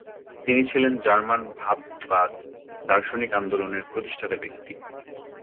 তিনি ছিলেন জার্মান ভাববাদ দার্শনিক আন্দোলনের প্রতিষ্ঠাতা ব্যক্তি।